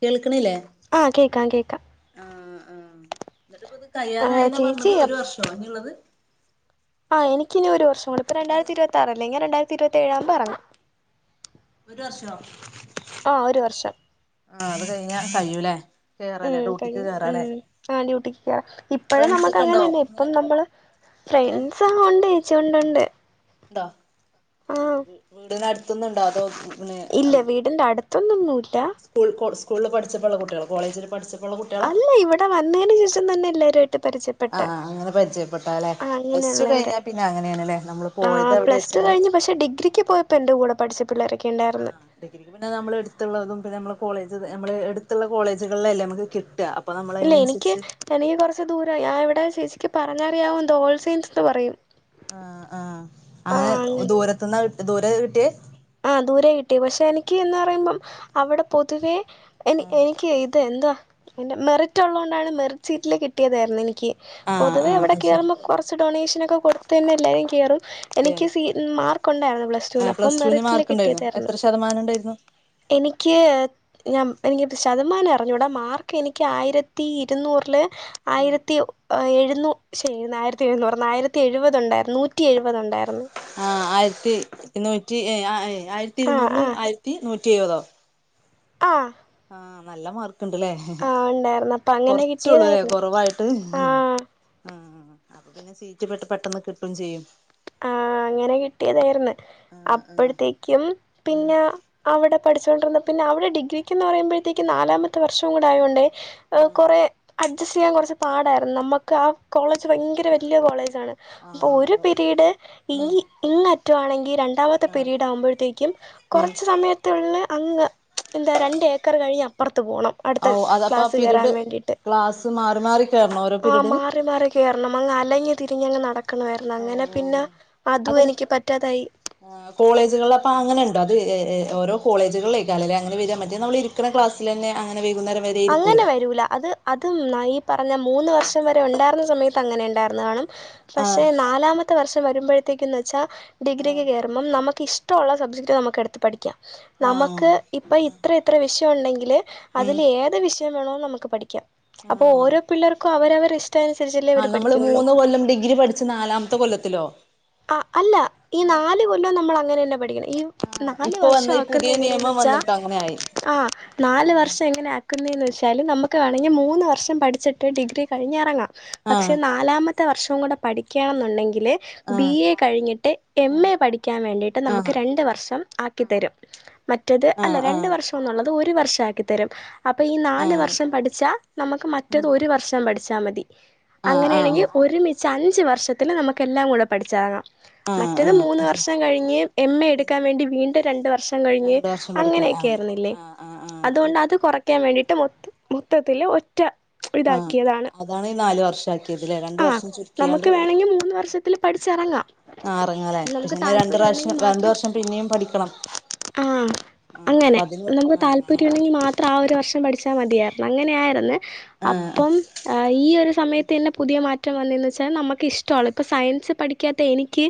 കേൾക്കണില്ലേ? ആ കേൾക്കാം കേൾക്കാം ആ, ആ എന്നിട്ട് ഇപ്പ ഇത് ആ, തയ്യാറായിന്ന് ചേച്ചി പറഞ്ഞത് ഒരു അപ്- വർഷം ങ്ങ് യുള്ളത് ആ എനിക്കിനനി ഒരു വർഷം കൂടെ ഇപ്പ ഒരു രണ്ടായിരത്തിരുത്തി ആറ് അല്ലെ ഇനി രാണ്ടായിരത്തി ഇരുപത്തി ഏഴാവുമ്പം ഇറങ്ങും ഒരു വർഷം ആ ഒരു വർഷം ആ, അത് കഴിഞ്ഞാൻ കഴിയൂലേ ഉം കേറാലേ ഡ്യൂട്ടിക്ക് കഴിയും ഉ കേറാലേ ആ ഡ്യൂട്ടിക്ക് കറ ഫ്രണ്ട്സ് നമ്മുക്ക് ഒക്കെ ഉണ്ടോ അങ്ങനെയന്ന അങ്ങനെ ഇപ്പം നമ്മള് ഏഹ് ഫ്രണ്ട്സ് ആ ഉണ്ട് ചേച്ചി, ഒണ്ട് ഒണ്ട് ഉണ്ടോ ആ വീടിനടുത്തുന്നുണ്ടോ അതോ പിന്നെ ഇല്ല വീടിന്റെ അടുത്തൊന്നും ഇല്ല. സ്കൂൾ കോ സ്കൂളിൽ പഠിച്ചപ്പോഴുള്ള കുട്ടികളോ കോളേജിൽ പഠിച്ച അല്ല ഇവിടെ വന്നതിന് ശേഷം തന്നെ എല്ലാവരുമായിയിട്ട് പരിചയപ്പെ ആഹ് ആഹ് അങ്ങനെ പരിചയപ്പെട്ടല്ലെ പ്ലസ്ടു അങ്ങനെയുള്ളവരെ കഴിഞ്ഞാ പിന്നെ അങ്ങനെയാണ്ല്ലേ നമ്മള് ആ പോയത് എവിടെ പ്ലസ് ടു വെച്ചാല് കഴിഞ്ഞ് പക്ഷേ ഡിഗ്രിക്ക് പോയപ്പോ എന്റെ കൂടെ പഠിച്ച പിള്ളേരൊക്കെ ഉണ്ടായിരുന്നു ആഹ് ഡിഗ്രിക്ക് പിന്നെ നമ്മൾ എടുത്തുള്ളതും പിന്നെ നമ്മളെ കോളേജ് നമ്മള് എടുത്തുള്ള കോളേജുകളിലല്ലേ നമുക്ക് കിട്ട. ഇല്ല എനിക്ക് എനിക്ക് കുറച്ച് ദൂരം ഞാ ഇവിടെ ചേച്ചിക്ക് പറഞ്ഞറിയാവും, ഓർസെയിൻസ് എന്ന് പറയും ആഹ് ആഹ് അത് ദൂരത്തുന്ന ദൂര കിട്ടിയ ആ ദൂരെ കിട്ടിയെ പക്ഷെ എനിക്ക് എന്ന് പറയുമ്പം അവിടെ പൊതുവേ എനി ആഹ് എനിക്ക് അതെ എന്താ, മെറിറ്റ് ഉള്ളത് കൊണ്ടാണ് മെറിറ്റ് ലിസ്റ്റിൽ കിട്ടിയതായിരുന്നു എനിക്ക് ആഹ് പൊതുവെ ആഹ് ഇവിടെ അത് ശരി കേറുമ്പോ കുറച്ച് ഡൊണേഷൻ ഒക്കെ കൊടുത്തു തന്നെ എല്ലാരും കേറും എനിക്ക് സീ ഉം മാർക്കൊണ്ടായിരുന്നു പ്ലസ് ആ ടുവിന് അപ്പം പ്ലസ്സ്ടുവിന് മെറിറ്റില് മാർക്ക്ണ്ടായിരുന്നു കിട്ടിയതായിരുന്നു എത്ര ശതമാനം ഉണ്ടായിരുന്നു എനിക്ക് ഞാൻ എനിക്ക് ശതമാനം അറിഞ്ഞൂടാ മാർക്ക് എനിക്ക് ആയിരത്തി ഇരുന്നൂറില്. ഉം ആയിരത്തി എഴുന്നൂ ഷെ ആയിരത്തി എഴുന്നൂറെന്ന് ആയിരത്തി എഴുപത് ഉണ്ടായിരുന്നു. നൂറ്റി എഴുപതുണ്ടായിരുന്നു ആഹ് ആയിരത്തി ഇരുന്നൂറ്റി, ഏ ആയിരത്തി ആ ഇരുന്നൂറില് ആ ആയിരത്തി നൂറ്റി എഴുപതോ ആഹ് ആഹ് നല്ല മാർക്ക് ഉണ്ടല്ലേ, ഉണ്ടായിരുന്നു അപ്പം അങ്ങനെ കൊറച്ചള്ളൂല്ലേ കിട്ടിയതായിരുന്നു കുറവായിട്ട് ആ ആഹ് അപ്പൊ പിന്നെ സീറ്റ് പെട്ട് പെട്ടെന്ന് കിട്ടും ചെയ്യും ആ, അങ്ങനെ കിട്ടിയതായിർന്ന് ആഹ് ആഹ് അപ്പഴത്തേക്കും ഉം പിന്നെ അവിടെ പഠിച്ചുകൊണ്ടിരന്നപ്പോ പിന്നെ അവിടെ ഡിഗ്രിക്ക്ന്ന് പറയുമ്പോഴത്തേക്കും നാലാമത്തെ വർഷം കൂടെ ആയോണ്ടേ അത് ആഹ് കുറേ അഡ്ജസ്റ്റ് ചെയ്യാൻ കുറച്ച് പാടായിരുന്നു നമുക്ക് ആ കോളേജ് ഭയങ്കര വലിയ കോളേജാണ് അപ്പൊ ഒരു പേ പിരീഡ് ഇ ഉം ഇങ്ങേ അറ്റവാണെങ്കിൽ രണ്ടാമത്തെ ആഹ് പീരീഡ് ആവുമ്പോഴത്തേക്കും ഉം കുറച്ച് സമയത്തുള്ളിൽ അങ്ങ് എന്താ രണ്ട് ഏക്കർ കഴിഞ്ഞ് അപ്പുറത്ത് പോകണം അടു ഔ തദ് അതപ്പ ആ ക്ലാസ്സ്‌ കേറാൻ പിരീഡ് വേണ്ടിട്ട് ക്ലാസ് മാറി മാറി കേറണോ ഓരോ ആ പിരീഡിന് മാറി മാറി കയറണം, അങ്ങ് അലഞ്ഞ് തിരിഞ്ഞ്ങ്ങ് നടക്കണമായിരുന്നു അങ്ങനെ പിന്നെ ഓഹ് അതും എനിക്ക് പറ്റാതായി ആ കോളേജുകളിൽ അപ്പൊ അങ്ങനെ ഉണ്ടോ അത് എ എ ഓരോ കോളേജുകളിലേക്കാരം ല്ലേ അങ്ങനെ വരാ മറ്റേദ് നമ്മള് നിക്കണ ക്ലാസിലന്നെ അങ്ങെനെ വരുന്നത് അങ്ങനെ വരൂല അത് അതും നാനീ പറഞ്ഞ മൂന്ന് വർഷം വരെ ഉണ്ടായിരുന്ന സമയത്ത് അങ്ങനെ ഉണ്ടായിരുന്നു വേണം പക്ഷെ ആഹ് നാലാമത്തെ വർഷം വരുമ്പോഴത്തേക്കന്ന് എന്ന്‌ വെച്ചാൽ ഡിഗ്രിക്ക് ആഹ് അം നമുക്ക് ഇഷ്ടമുള്ള സബ്ജക്ട് നമുക്ക് എടുത്ത് പഠിക്കാം. നമുക്ക് ആഹ് ഇപ്പ ഇത്ര ഇത്ര വിഷയം ഉണ്ടെങ്കിൽ ഉം അതിൽഏ- വിഷയം വേണോങ്കി നമുക്ക് പഠിക്കാം അപ്പോ ഓരോ പിള്ളേർക്കും അവരവരിഷ്ട അനുസരിച്ചല്ലെ- ആ നമ്മള് മൂന്ന് കൊല്ലം ഡിഗ്രി പഠിച്ചു നാലാമത്തെ കൊല്ലത്തിലോ ആ അല്ല ഈ ഏഹ് നാല് കൊല്ലം നമ്മൾ അങ്ങനെ തന്നെ പഠിക്കണം ഈ നാല് വർഷാക്കുന്നത് എങ്ങനെയെന്ന് വെച്ചാൽ പ്പൊ അങ്ങനെയായി ആഹ നാല് വർഷം എങ്ങനെ ആക്കുന്നതെന്ന് വച്ചാൽ നമുക്ക് വേണമെങ്കിൽ മൂന്ന് വർഷം പഠിച്ചിട്ട് ഡിഗ്രി കഴിഞ്റങ്ങാം പക്ഷെ ആഹ് നാലാമത്തെ വർഷം കൂടെ പഠിക്കണെന്നുണ്ടെങ്കില് ബി ആഹ് എ കഴിഞ്ഞിട്ട് എം ആഹ് എ പഠിക്കാൻ വേണ്ടിയിട്ട് നമുക്ക് ആഹ് രണ്ട് വർഷം ആക്കി തരും മറ്റത് അല്ല ആഹ് രണ്ട ആഹ് വർഷംന്നുള്ളത് ഒരു വർഷം ആക്കി തരും അപ്പ ഈ നാല് ആഹ് വർഷം പഠിച്ചാൽ നമുക്ക് മറ്റത് ഒരു വർഷം പഠിച്ചാൽ മതി ആഹ് ആഹ് അങ്ങനെയാണെങ്കിൽ ഒരുമിച്ച് അഞ്ച് വർഷത്തിൽ നമുക്ക് എല്ലാം കൂടെ പഠിച്ചറങ്ങാം മറ്റത് ആഹ് മൂന്ന് വർഷം അതെ കഴിഞ്ഞ് എം എ എടുക്കാൻ വേണ്ടി വീണ്ടും രണ്ട് വർഷം കഴിഞ് രണ്ട് വർഷം പഠിക്കണ്ട അങ്ങനെയൊക്കെ ആഹ് ആരുന്നില്ലേ ആഹ് ആഹ് ആഹ് അതുകൊണ്ട് അത് കുറെ- ക്കാൻ വേണ്ടിട്ട് മൊ മൊത്തത്തില് ഒറ്റ ആഹ് ഇതാക്കിയതാണ് അതാണ് ഈ നാല് വർഷ് ഷാക്കിയത് ല്ലേ രണ്ട് ആ വർഷം ചുരുക്കിയാണ്ട് നമുക്ക് ഒര് വേണമെങ്കിൽ മൂന്ന് വർഷത്തിൽ പഠിച്ചിറങ്ങാം ആഹ് എറങ്ങലേ നമുക്ക് പിന്നെ താല്പര്യം രണ്ട്റാശ്യം ഉണ്ടെങ്കിൽ രണ്ട് മാത്രം വർഷം പിന്നിം പഠിക്കണം ആഹ് ആഹ് അപ്പൊ അങ്ങനെ അതിന് നമുക്ക് ആഹ് താല്പര്യം ഉണ്ടെങ്കിൽ മാ ത്ര ആ ഒരു വർഷം പഠിച്ചാ മതിയാർന്ന് അങ്ങനെയായിര്ന്നെ ആഹ് അപ്പം ഏ ഈ ഒരു സമയത്തെന്നെ പുതിയ മാറ്റം വന്നെന്ന് വെച്ചാൽ നമക്ക് ഇഷ്ട്ടോള്ള ഇപ്പൊ സയൻസ് പഠിക്കാത്ത എനിക്ക്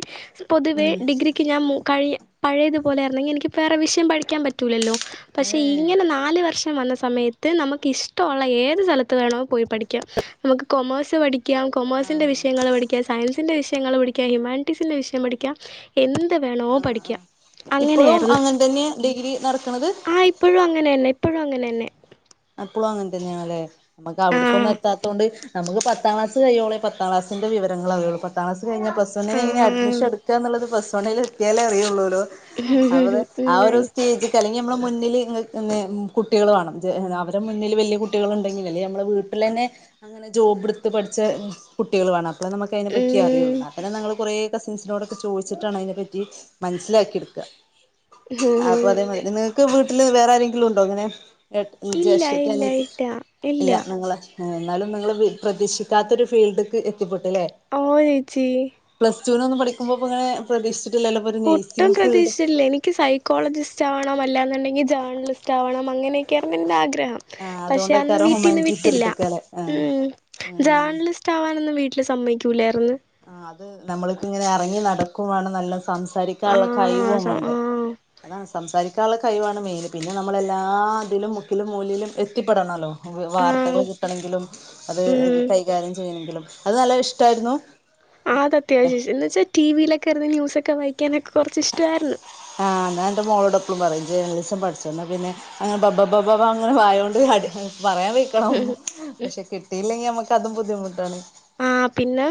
പൊതുവേ ഉം ഡിഗ്രി ക്ക് ഞാൻ മൂ കഴി പഴേതുപോലാര്ന്നെങ്കി എനിക്ക്പ്പ വേറെ വിഷയം പഠിക്കാൻ പറ്റൂലല്ലോ പക്ഷെ ഏഹ് ഇങ്ങനെ നാല് വർഷ് ഷം വന്ന സമയത്ത് നമക്ക് ഇഷ്ട്ടൊള്ള ഏത് സ്ഥലത്ത് വേണേം പോയി പഠിക്ക നമുക്ക് കൊമേഴ്സ് പഠി ക്ക്യാം കൊമേഴ്സിന്റെ ആഹ് വിഷയങ്ങള് പഠിക്ക്യാം സയൻസിന്റെ വിയങ്ങള് പഠിക്ക്യ ഹ്യൂമാനിറ്റീസിന്റെ വിഷയം പഠിക്ക്യാം എന്ത് വേണോ പഠിക്ക്യ ഇപ്പളും അങ്ങനെയായിര്ന്ന് അങ്ങനെ തന്നെ ഡിഗ്രി നടക്കണത് ആഹ് ഇ പ്പഴും അങ്ങനെന്നെ ഇപ്പോഴും അങ്ങനെന്നെ അപ്പളും അങ്ങനെ തന്നെയാണ്ല്ലേ നമക്ക് അവ്ട്ക്കൊന്നു ആഹ് എത്താത്തോണ്ട് നമക്ക് പത്താം ക്ലാസ് കഴിയോളെ പത്താം ക്ലാസിന്റെ വിവരങ്ങള്റിയൊള്ളൂ പ ത്താം ക്ലാസ് കഴിഞ്ഞാ പ്ലസ് വണ്ണിന് എങ്ങനെ ആഹ് അഡ്മിഷൻ എട്ക്കാന്ന്ള്ളത് പ്ലസ് വണ്ണില് എത്തിയാലേ അറിയള്ളോലോ അപ്പത് ഉം ആ ഒരു സ്റ്റേജ്‌ക്ക് അല്ലെങ്കി നമ്മളെ മുന്നിൽ നിക്ക്ന്നെ കുട്ട്യേള് വാണം [unintelligible] അവരെ മുന്നില് വല്യ കുട്ട്യേള്ണ്ടെങ്കി അല്ലേ നമ്മളെ വീട്ടിലെന്നെ അങ്ങനെ ജോബ്ട്ത്ത് പഠിച്ചേ കുട്ടികൾ വാണം അപ്പളെ നമക്കയിനെ പറ്റി അറിയോള്ളൂ ഉം ഇന്നാത്തെന്നെ ഞങ്ങൾ കൊറേ കസിൻസിനോടൊക്കെ ചോയ്ച്ചിട്ടാണ് അയിനെപ്പറ്റി മനസ്സിലാക്കിട്ക്ക അ അപ്പൊ അതേമാതിരി നിങ്ങക്ക് വീട്ടില് വേറെ ആരെങ്കിലുണ്ടോ ഇങ്ങനെ ഏട്ട ഈ ഇല്ല ജേഷട്ടത്തി ഇല്ല അനിയത്തി ഇല്ല ഇല്ല നിങ്ങള് ഇന്നാലും നിങ്ങള് പ്രതീക്ഷിക്കാത്തൊരു ഫീൽഡ്ക്ക് എത്തിപ്പെട്ടുല്ലേ ഓഹ് ഏച്ചി പ്ലസ്ടുനൊന്നും പഠിക്കുമ്പോ ഇപ്പങ്ങനെ പ്രതീക്ഷിച്ച്ട്ടില്ലല്ലോ ഒട്ടും പ്രതീക്ഷിച്ച്ല്ല എനിക്ക് സൈ ക്കോളജിസ്റ്റാവണം അല്ലാന്ന്ണ്ടെങ്കി ജേർണലിസ്റ്റാവണം അങ്ങനെയൊക്കെയിരുന്നു ഇൻ്റെ ആഗ്രഹം ആ പക്ഷെ അതൊന്നും അതുകൊണ്ടൊക്കാരോ വീട്ടിന്ന് ഹ്യുമാനിറ്റീസ് വിട്ടില്ല എടുത്തക്കല്ലേ ആ മ്മ് ആ ജേർണലിസ്റ്റ് ആവാനൊന്നും വീട്ടില് സമ്മയിക്കൂലായിർന്ന് ആഹ് അത് നമ്മള്ക്ക്ങ്ങനെ എറങ്ങി നടക്കുവാണം നല്ല സംസാരിക്കാള്ള കഴിവും ആഹ് വേണ്ടേ ആഹ് അ സംസാരിക്കാനുള്ള സംസാരിക്കാള്ള കഴിവാണ് മെയിന് പിന്നെ നമ്മളെല്ലാ ഇതിലും മുക്കിലും മൂലിലും എത്തിപ്പെടണല്ലോ ആഹ് വാർത്തകൾ കിട്ടണെങ്കിലും അത് ഉം കൈകാര്യം ചെയ്യണെങ്കിലും അത് നല്ല ഇഷ്ട്ടായിരുന്നു അത് അത്യാവശ്യഷ് എന്ന് വെച്ചാ ടിവിലൊക്കെ ഇര്ന്ന് ന്യൂസൊക്കെ വായിക്കാനൊക്കെറച്ച് ഇഷ്ട്ടാര്ന്നു ആഹ് ഞാൻ ഇന്റെ മോളോട് എപ്പളും പറയും ജേർണലിസം പഠിച്ചോ ഇന്നാ പിന്നെ അങ്ങനെ ബബബബാ അങ്ങനെ വായോണ്ട് അട് പറയാൻ വെയ് ക്കണം പക്ഷെ കിട്ടിയില്ലെങ്കി നമ്മക്ക് അതും ബുദ്ധിമുട്ടാണ്. ആഹ് പിന്നെ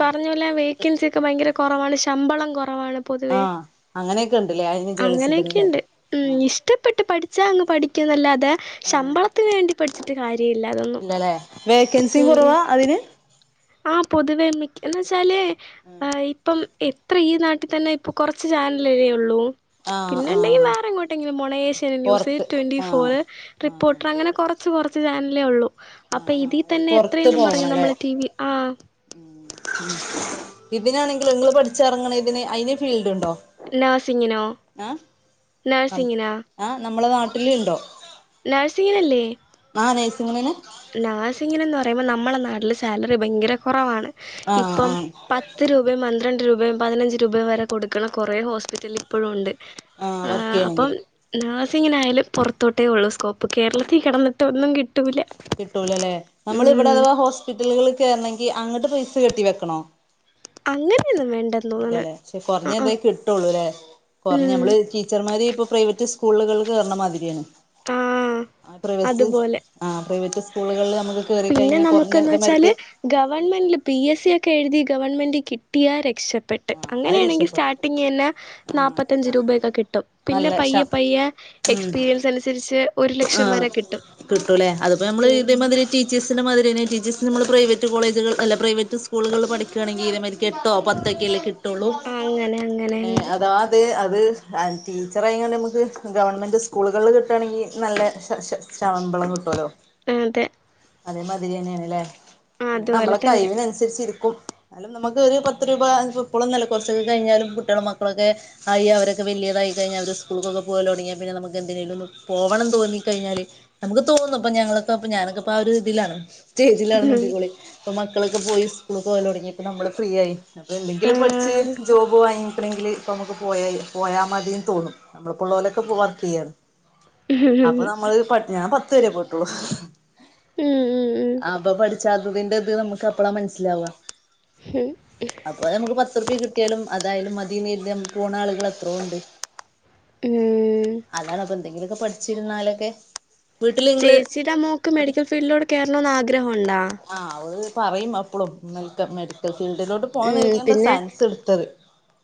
പറഞ്ഞ പോലെ വേക്കൻസിക്കെ ഭയങ്കര കൊറവാണ് ശമ്പളം കൊറവാണ്. പൊതുവേ ആഹ് അങ്ങനെയൊക്കെ ഉണ്ടല്ലേ അതിന് ജേർണലിസത്തിന്ല്ലേ അങ്ങനെക്കെണ്ട് ഉം ആഹ് ഇഷ്ടപ്പെട്ട് പഠിച്ചാ അങ്ങ് പഠിക്കാന്നല്ലാതെ ആഹ് ശമ്പളത്തിന് വേണ്ടി പഠിച്ചിട്ട് കാര്യ ഇല്ല അതൊന്നും ഇല്ലല്ലേ വേക്കൻസി ഉം ഉം കുറവാ അതിന് ആഹ് പൊതുവെ മിക്ക് എന്ന് വെച്ചാല് ആഹ് ഇപ്പം എത്ര ഈ നാട്ടിത്തെന്നെ ഇപ്പൊ കൊറച്ച് ചാനലല്ലേ ഒള്ളൂ ആഹ് പിന്നെ ഇണ്ടെങ്കി ആഹ് വേറെങ്ങോട്ടെങ്കിലും പോണം ഏശ്യനെറ്റ് ന്യൂസ് പൊറത്ത് ട്വന്റി ഫോർ ആഹ് ആഹ് റിപ്പോർട്ടർ അങ്ങനെ കൊറ ച്ച് കൊറച്ച് ചാനലേ ഒള്ളു അപ്പൊ ആഹ് ആഹ് ഇതീ അത് തന്നെ എത്രേയെന്നും പറഞ്ഞ് നമ്മള് ടിവി ആഹ് ഉം ഇതിനാണെങ്കിലോ ഇങ്ങള് പഠിച്ചറ്ങ്ങ്ണേതിന് അയിന് ഫീൽഡ്ണ്ടോ നെഴ്സിങ്ങനോ നെഴ്സിങ്ങനാ ആഹ് നമ്മളെ നാട്ട്ല്ണ്ടോ നെഴ്സിങ്ങിനല്ലേ ആഹ് നഴ്സിങ്ങിനെന്നേ നെഴ്സിങ്ങിനെന്ന് പറയുമ്പോ നമ്മളെ നാട്ടില് സാലറി ഭയങ്കര കൊറവാണ് ആഹ് ഇപ്പം ആഹ് പ പത്ത് രൂപയും മന്ത്രണ്ട് രൂപയും പതിനഞ്ച് രൂപയും വരെ കൊടുക്കണം കൊറേ ഹോസ്പിറ്റലിൽ. ഇപ്പളും ഇണ്ട് വർക്ക് ആഹ് അപ്പം ചെയ്യണെങ്കില് നേഴ്സിങ്ങന് ആയാലും പൊറത്തോട്ടേ ഒള്ളൂ സ്കോപ്പ് കേരളത്തി കിടന്നിട്ടൊന്നും കിട്ടൂല്ല കിട്ടൂലലെ. നമ്മള് ഇവടെ അഥവാ ഹോസ്പിറ്റലുകളിള് കേറണങ്കി അങ്ങട്ട് പൈസ കെട്ടി വെക്കണോ അങ്ങനെയൊന്നും വേണ്ടത് ഇല്ലല്ലേ [unintelligible] കൊറഞ്ഞ ന്തെ കിട്ടൊള്ളൂലേ. കൊറ്ഞ്ഞ ഉം നമ്മള് ടീച്ചർമാര് ഇപ്പൊ പ്രൈവറ്റ് സ്കൂ- സ്കൂളുകളിൽ കേറ്ണ മാതിരിയാണ്. ആ ആഹ് പ്രവൈസി അതുപോലെ ആഹ് പ്രൈവറ്റ് സ്കൂളുകളിൽ നമക്ക് പിന്നെ നമുക്ക്ന്ന് വെച്ചാല് ഗവൺമെന്റ് പി എസ് സി ഒക്കെ എഴുതി ഗവൺമെന്റ് കിട്ടിയാ രക്ഷ പെട്ട് ആ അത് അങ്ങനെയണെങ്കിൽ രക്ഷപ്പെടും സ്റ്റാർട്ടിങ് ന്നെ ആ നാപ്പത്തഞ്ച് രൂപയൊക്കെ കിട്ടും. പിന്നെ നല്ല ശ പയ്യെ പയ്യെ ഉം എക്സ്പീരിയൻസ് അനുസരിച്ച് ഒരു ആ ലക്ഷം വരെ കിട്ടും കിട്ടൂലേ അതിപ്പോ നമ്മള് ഉം ഇതേ മതിരി ടീച്ചേഴ്സിന്റെ മാതിരി തന്നെ. ടീച്ചേഴ്സ് നമ്മള് പ്രൈവറ്റ് കോളേജുകൾഅല്ല പ്രൈവറ്റ്സ്കൂളുകളിൽ പഠിക്കാണെങ്കിൽ ഇതേ മാതിരിക്ക്‌ എട്ടോ ത്തൊക്കല്ലേ കിട്ടൊള്ളൂ അങ്ങനെ അങ്ങനെ പിന്നെ അങ്ങനെ അതവാ അത് അത് ടീച്ചറായ്ങ്ങണ്ട് നമക്ക് ഗവൺമെൻറ് സ്കൂളുകള്ൽ കിട്ടാണെങ്കിൽ നല്ല ശ ശ ശവമ്പളം കിട്ടോലോ അതെ അതേമാതിരി തന്നേണ്ല്ലേ. പിന്നെ അതുപോലെ നമ്മളെ തന്നെ കഴവിനൻസരിച്ച് ഇടുക്കും. എന്നാലും നമുക്ക് ഒരു പ ത്ത് രൂപ ഇപ്പളൊന്നു അല്ല. കൊറച്ചൊക്കെ കഴിഞ്ഞാലും കുട്ട്യാളും മക്കളൊക്കെ ആയി അവരൊക്കെ വല്യതായി കഴിഞ്ഞാ അവര് സ്കൂൾക്കൊക്കെ പോവല് തൊടങ്ങിയാ പിന്നെ നമക്ക് എന്തെങ്കിലും ഒന്ന് പോകണംന്ന് തോന്നിക്കഴിഞ്ഞാല് നമുക്ക് തോന്നും ഇപ്പൊ ഞങ്ങളൊക്കെ അപ്പ ഞാനൊക്കെപ്പാഒരു ഇതിലാണ് സ്റ്റേജിലാണ് ഉം മന്തിക്കോളി അപ്പ മക്കളൊക്കെ പോയി സ്കൂള്ക്കോവല് തൊടങ്ങി അപ്പോ നമ്മള് ഫ്രീ ആയി അപ്പൊ എന്തെങ്കിലും പഠിച്ച് ആഹ് ജോബ് വാങ്ങിക്ക്ണെങ്കിൽ ഇപ്പ നമുക്ക് പോയായി പോയാ മതിന്ന് തോന്നും. നമ്മളെപ്പള്ളോലൊക്കെ ഇപ്പൊ വർക്ക് ചെയ്യാണ് അപ്പൊ ഉം നമ്മള് പട് ഞാ പത്ത് വരെ പോയിട്ടൊള്ളു ഉം ഉം അപ്പൊ പഠിച്ചാത്തതിന്റെ ഇത് നമുക്ക് അപ്പളാ മനസ്സിലാവാ ഹും അപ്പൊ നമുക്ക് പത്ത്റ്പ്പി കിട്ടിയാലും അതായാലും മതിന്നേര്തി അങ്ങട്ട് പോണ ആളുകൾ എത്രോ ഇണ്ട്. ഉം അതാണ് അപ്പൊ എന്തെങ്കിലൊക്കെ പഠിച്ചിരുന്നാലൊക്കെ വീട്ടില് നിങ്ങള് ചേച്ചിടെ മോക്ക് ഒരു മെഡിക്കൽ ഫീൽഡിലോട്ട് കേറണോന്ന് ആഗ്രഹഉണ്ടോ ആഹ് ഓള് പറയും അപ്പളും. നിൻ ക്ക്‌ മെഡിക്കൽ ഫീൽഡിലോട്ട് പോണം ന്ന് കരുതീങ്ങാണ്ടാ സയൻസ് ഇടുത്തത്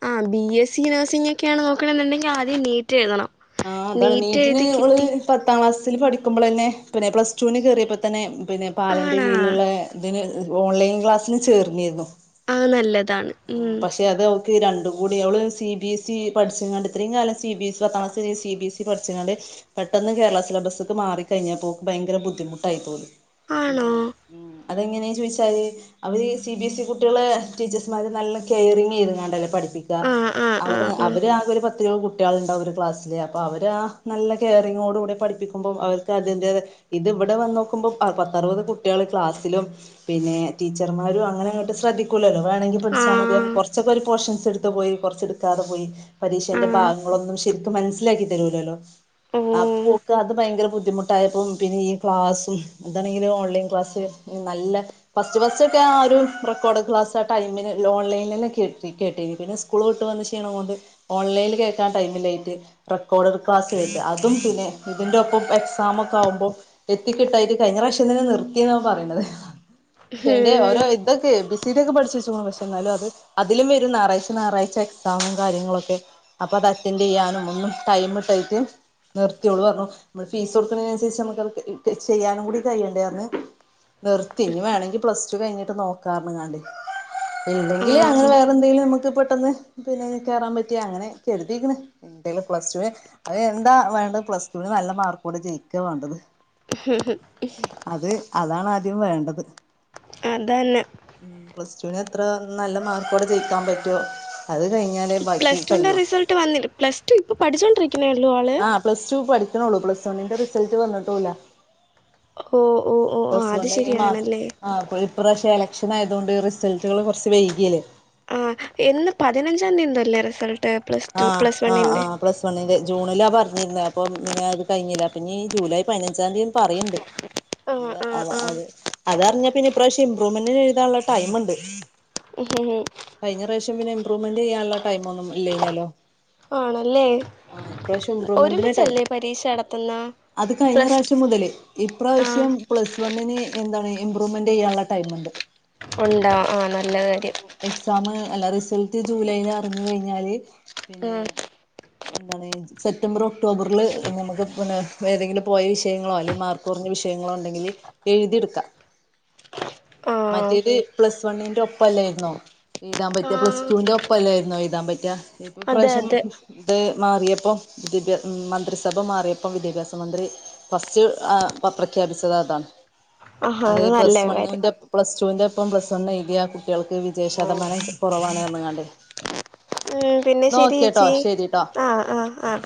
ആഹ് ബി എസ് സി നഴ്സിംഗ് ഒക്കെയാണ് നോക്ക്ണേന്ന്ണ്ടെങ്കിൽ ആദ്യം നീറ്റ് എഴുതണം. ആഹ് അതാണ്. നീറ്റ് നീറ്റിന് എഴുതി ഓള് കിട്ടി പത്താം ക്ലാസ്സിൽ പഠിക്കുമ്പളന്നെ പിന്നെ പ്ലസ് ടൂന് കേറിയപ്പോ തന്നെ പിന്നെ പാലന്റെ ആണാ കീഴില്ള്ള ഇതിന് ഓൺലൈൻ ക്ലാസ്സിന് ചേർന്നിരുന്നു ആ നല്ലതാണ് ആ ഉം പക്ഷെ അത് ക്ക് രണ്ടും കൂടി അവള് സി ബി എസ് ഇ പഠിച്ച് കാണ്ട് ഇത്രേം കാലം സി ബി എസ്സി പത്താം ക്ലാസ്സ്‌ വരെ സി ബി എസ്സി പഠിച്ച് കാണ്ട് പെട്ടെന്ന് കേരള സിലബസ്ക്ക് മാറിക്കഴിഞ്ഞപ്പോക്ക് ഭയങ്കെര ബുദ്ധിമുട്ടായി പോന്ന് ആണോ എന്താണ് അത് എങ്ങനെ ചോദിച്ചാല് അവര് സി ബിഎസ് ഇ കുട്ടികളെ ടീച്ചേ നല്ല കേയ്റിങ് ചെയ്ത് കാണ്ടല്ലേ പഠിപ്പിക്ക. ആ ആ അവ ആ ആ അവർ ആകെ ഒരു പത്ത കുട്ട്യേള് ഇണ്ടാവും ഒരു ക്ലാസില്. അപ്പ അവർ ആ നല്ല കെയറിങ്ങോട് കൂടി പഠിപ്പിക്കുമ്പോ അവർക്ക് അതിന്റെ ഇത് ഇവടെ വന്ന് നോക്കുമ്പോ പത്ത് അറുപത് കുട്ട്യേൾ ക്ലാസ്സിലും പിന്നെ ടീച്ചർമാരും അങ്ങനെ അങ്ങട്ട് ശ്രദ്ധിക്കൂലല്ലോ വേണങ്കിൽ ആ പഠിച്ചാ മതി കൊറ്ച്ചൊക്കെ ഒരു പോർഷൻസ് ഇടുത്ത് പോയി കൊറ്ച്ച് ഇടുക്കാതെ പോയി ആ പരീക്ഷന്റെ ഭാഗങ്ങളൊന്നും ശെരിക്ക് മനസ്സിലാക്കി തരൂലല്ലോ ഓ അപ്പോക്ക് അത് ഭയങ്കര ബുദ്ധിമുട്ട് ട്ടായപ്പോ പിന്നെ ഈ ക്ലാസും ഇതാണെങ്കിലോ ഓൺലൈൻ ക്ലാസ്സ് നല്ല ഫസ്റ്റ് ഫസ്റ്റ് ഒക്കെ ആ ഒരു റെക്കോർഡ് ക്ലാസ് ആ ടൈമിന് ഓൺലൈനില് കേട്ട കേട്ടിരിക്കണ് സ്കൂൾ വിട്ട് വന്ന് ക്ഷീണം കൊണ്ട് ഓൺലൈനിൽ കേൾക്കാൻ ടൈമില്ലായിട്ട് റെക്കോർഡഡ് ക്ലാസ് കേട്ട് അതും പിന്നെ ഇതിന്റെ ഒപ്പം എക്സാം ഒക്കെ ആകുമ്പോ എത്തിക്കിട്ടായിട്ട് കഴിഞ്ഞ പ്രാവശ്യം തന്നെ നിർത്തിന്നാ ഓൻ പറേണത് പക്ഷേന്റെ ഓരോ ഹും ഇതൊക്കെ എ ബി സി ഡി ഒക്കെ പഠിച്ചുവെച്ചേക്കണ് എന്നാലും അത് അതിലും വരും ഞായറാഴ്ച ഞായാറാഴ്ച എക്സാമും കാര്യങ്ങളും ഒക്കെ അപ്പൊ അത് അറ്റൻഡ് ചെയ്യാനും ഒന്നും ടൈം കിട്ടായിട്ട് നിർത്തിയോളൂ പറഞ്ഞു നമ്മള് ഫീസ് കൊടുക്കുന്നതിനനുസരിച്ച് നമുക്ക് ചെയ്യാനും കൂടി കഴിയണ്ടേന്ന് നിർത്തി ഇനി വേണെങ്കി പ്ലസ് ടു കഴിഞ്ഞിട്ട് നോക്കാ പറഞ്ഞ്കാണ്ട് ആ ഇല്ലെങ്കില് അങ്ങനെ ആ വേറെ എന്തെിലും നമുക്ക് പെട്ടെന്ന് പിന്നെ കയറാൻ പറ്റിയ അങ്ങനെ കരുതിക്ക്ണ് ഇണ്ടേൽ പ്ലസ് ടു അതിന് എന്താ വേണ്ടത് പ്ലസ് ടുവിന് നല്ല മാർക്കോടെ ജയിക്കുക വേണ്ടത് [unintelligible] അത് അതാണ് ആദ്യം വേണ്ടത് അതന്നെ ഉം പ്ലസ് ടൂവിന് എത്ര നല്ല മാർക്കോടെ ജയിക്കാൻ പറ്റുവോ അത് കഴിഞ്ഞാലേ ബാക്കി കയൂ ട്ട് വന്നി പ്ലസ് ടു ഇപ്പം പഠിച്ചോണ്ടിരിക്ക്ണേ ഒള്ളു ആള് ആഹ് പ്ലസ് ടു പഠിക്കണുള്ളൂ പ്ലസ് വണ്ണിന്റെ റിസൾട്ട് വന്നിട്ടൂല്ല ഓ ഓ ഓ ഓ പ്ലസ് അത് വൺ ഈ മാസം ശരിയാണല്ലേ ആഹ് അപ്പോൾ ഇപ്രാവശ്യം എലക്ഷന് ആയതുകൊണ്ട് റിസൾട്ടുകൾ കുറച്ച് വൈകില്ലേ ആ എന്ന് പതിനഞ്ചാം തീയതി എന്തോ അല്ലേ റിസൾട്ട് പ്ലസ് ടു ആഹ് പ്ലസ് ആഹ് വണ്ണിന്റെ ആഹ് പ്ലസ് വണ്ണിൻ്റെ ജൂണിലാണ് പറഞ്ഞിരുന്നത് അപ്പം പിന്നെ അത് കഴിഞ്ഞില്ല പിന്നെ ഈ ജൂലൈ പതിനഞ്ചാം തീയതിയും പറേണ്ട് [unintelligible] ആ അതെ ആ അതെ അത അതറിഞ്ഞാ പിന്നെ ഇപ്രാവശ്യം ഇംപ്രൂവ്മെന്റിന് എഴുതാനുള്ള ടൈംമുണ്ട് [unintelligible] കഴിഞ്ഞ പ്രാവശ്യം പിന്നെ ഇംപ്രൂവ്മെന്റ് ചെയ്യാനുള്ള ടൈം ഒന്നും ഇല്ലായിനല്ലോ ആണല്ലേ ഇമ്പ്രൂവ്മെന്റിന് ടൈം ഒരുമിച്ചല്ലേ പരീക്ഷ നടത്തുന്ന അത് കഴിഞ്ഞ പ്ലസ് ടു പ്രാവശ്യം മുതൽ ആഹ് ഇപ്രാവശ്യം പ്ലസ് വണ്ണിന് എന്താണ് ഇംപ്രൂവ്മെന്റ് ചെയ്യാനുള്ള ടൈമുണ്ട് ഉണ്ടോ ആഹ് നല്ല കാര്യം എക്സാമ് അല്ല റിസൾട്ട് ജൂലൈൽ അറിഞ്ഞു കഴിഞ്ഞാല് പിന്നെ ഉം എന്താണ് സെപ്റ്റംബർ ഒക്ടോബറിൽ ഞമുക്ക് പിന്നെ ഏതെങ്കിലും പോയ വിഷയങ്ങളോ അല്ലെങ്കിൽ മാർക്ക് കുറഞ്ഞ വിഷയങ്ങളോ ഒണ്ടെങ്കില് എഴുതിയെടുക്കാം ആഹ് മറ്റേത് പ്ലസ് വണ്ണിന്റെ ഒപ്പല്ലായിരുന്നോ എഴുതാൻ പറ്റാ പ്ലസ് ആഹ് ടുവിന്റെ ഒപ്പവല്ലായിരുന്നോ എഴുതാൻ പറ്റാ ഇപ്പൊ അതെ ഇപ്രാവശ്യം അതെ ഇത് മാറിയപ്പം വിദ്യാഭ്യ മന്ത്രിസഭ മാറിയപ്പം വിദ്യാഭ്യാസ മന്ത്രി ഫസ്റ്റ് ആഹ് പ്രഖ്യാപിച്ചത് അതാണ് ആഹാ അത് നല്ല പ്ലസ് കാര്യം വണ്ണിൻ്റെ പ്ലസ് ടുവിൻ്റെ ഒപ്പം പ്ലസ് വൺ എഴുതിയ കുട്ടിയാൾക്ക് വിജയശതമാനം കുറവാണെന്ന് പറഞ്ഞ്ങ്ങാണ്ട് ഉം പിന്നെ ന്നാ ശെരി ഓക്കേട്ടോ ചേച്ചി ശരിട്ടോ ആഹ് ആഹ് ആഹ്